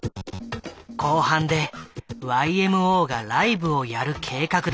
後半でＹＭＯがライブをやる計画だった。